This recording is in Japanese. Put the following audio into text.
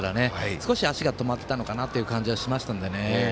少し足が止まったのかなという感じはしましたのでね。